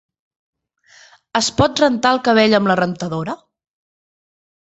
Es pot rentar el cabell amb la rentadora?